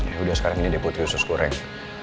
ya udah sekarang ini deh putri usus goreng